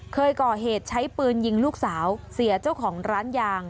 เคยก่อเหตุใช้ปืนยิงลูกสาวเสียเจ้าของร้านยาง